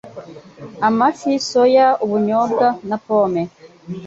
amafi, soya, ubunyobwa na pomme,